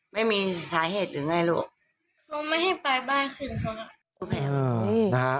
ไม่มีสาเหตุหรือไงลูกเราไม่ให้ไปบ้านคืนเขาเออนะฮะ